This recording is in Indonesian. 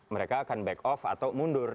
mereka akan back off atau mundur